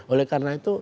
oleh karena itu